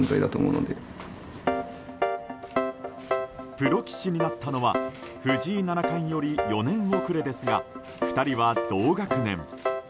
プロ棋士になったのは藤井七冠より４年遅れですが２人は、同学年。